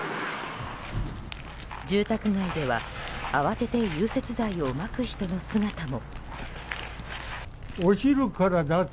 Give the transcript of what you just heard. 住宅街では慌てて融雪剤をまく人の姿も。